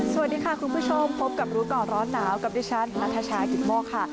สวัสดีค่ะคุณผู้ชมพบกับรู้ก่อนร้อนหนาวกับดิฉันนัทชายกิตโมกค่ะ